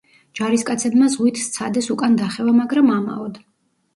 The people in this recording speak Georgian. ჯარისკაცებმა ზღვით სცადეს უკან დახევა, მაგრამ ამაოდ.